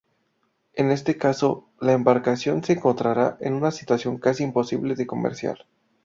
En este caso, la embarcación se encontrará en una situación casi imposible de comerciar.